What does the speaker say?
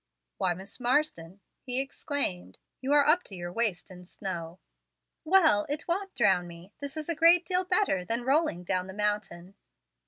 "Why, Miss Marsden!" he exclaimed, "you are up to your waist in the snow." "Well, it won't drown me. This is a great deal better than rolling down the mountain."